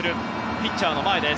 ピッチャーの前です。